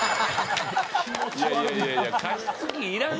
いやいやいや加湿器いらんけど。